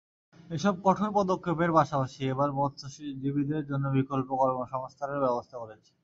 এসব কঠোর পদক্ষেপের পাশাপাশি এবার মৎস্যজীবীদের জন্য বিকল্প কর্মসংস্থানেরও ব্যবস্থা করেছি।